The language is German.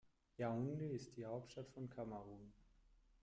Yaoundé ist die Hauptstadt von Kamerun.